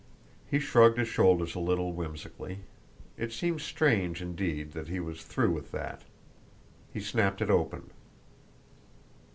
He shrugged his shoulders a little whimsically; it seemed strange indeed that he was through with that! He snapped it open.